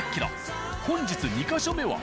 本日２か所目は？